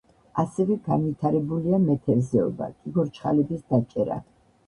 ასევე განვითარებულია მეთევზეობა, კიბორჩხალების დაჭერა.